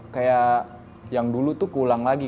kayak yang dulu tuh pulang lagi